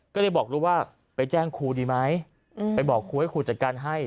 ก็เลยบอกลูกว่าไปแจ้งครูดีไหมไปบอกครูให้ครูจัดการให้